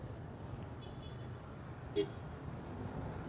kota pematang siantar